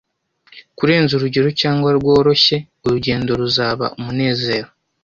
Kurenza urugero cyangwa rworoshye, urugendo ruzaba umunezero: